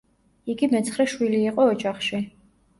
იგი მეცხრე შვილი იყო ოჯახში.